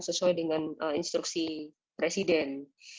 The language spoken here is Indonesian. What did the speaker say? sesuai dengan instruksi presiden